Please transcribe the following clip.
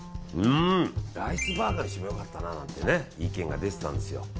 ライスバーガーにしても良かったなって意見が出てたんですよ。